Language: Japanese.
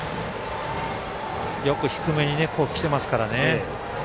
よく低めにきてますからね。